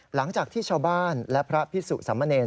หลังจากที่ชาวบ้านและพระพิสุสามเนร